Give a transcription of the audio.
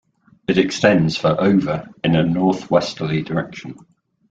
It extends for over in a northwesterly direction.